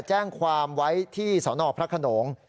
แจ้งความไว้ที่สนพระขนง